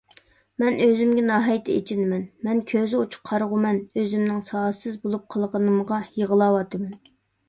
مەن ئۆزۈمگە ناھايىتى ئېچىنىمەن. مەن كۆزى ئوچۇق قارىغۇمەن، ئۆزۈمنىڭ ساۋاتسىز بولۇپ قالغىنىمغا يىغلاۋاتىمەن.